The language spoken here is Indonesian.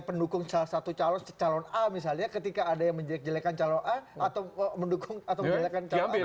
menyokong salah satu calon calon a misalnya ketika ada yang menjelek jelekan calon a atau menjelek jelekan calon a